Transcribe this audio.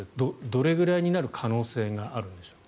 どれぐらいになる可能性があるんでしょう。